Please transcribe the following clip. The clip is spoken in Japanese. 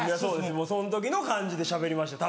その時の感じでしゃべりましたたぶん。